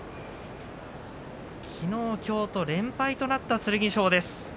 きのう、きょうと連敗となった剣翔です。